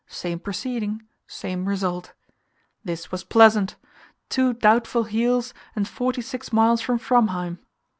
Same proceeding same result. This was pleasant two doubtful heels, and forty six miles from Framheim!